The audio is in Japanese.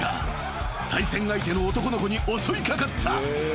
［対戦相手の男の子に襲い掛かった］